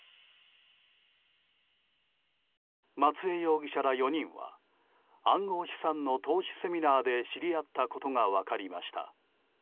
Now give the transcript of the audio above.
松江容疑者ら４人は暗号資産の投資セミナーで知り合ったことが分かりました。